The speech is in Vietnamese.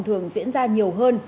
thường diễn ra nhiều hơn